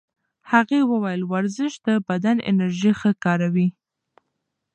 هغې وویل ورزش د بدن انرژي ښه کاروي.